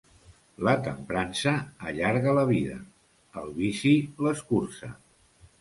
La temprança allarga la vida, el vici l'escurça.